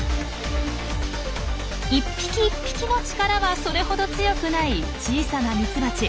一匹一匹の力はそれほど強くない小さなミツバチ。